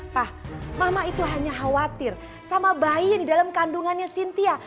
pak mama itu hanya khawatir sama bayi di dalam kandungannya sintia